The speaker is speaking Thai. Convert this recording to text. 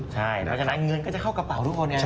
ใช่แล้วเงินก็จะเข้ากระเป๋าทุกคน